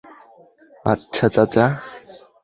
আচ্ছা, চাচা।